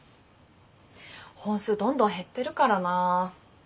本数どんどん減ってるからなあ。